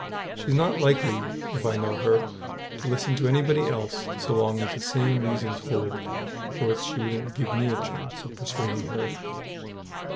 She's not likely, if I know her, to listen to anybody else so long as the same reasons hold for which she wouldn't give me a chance of persuading her.